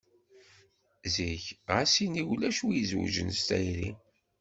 Zik ɣas ini ulac wid izewwǧen s tayri.